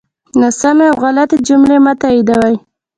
ناسمی او غلطی جملی مه تاییدوی